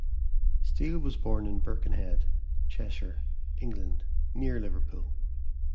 Steele was born in Birkenhead, Cheshire, England, near Liverpool.